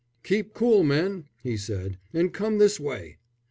"Keep cool, men," he said, "and come this way."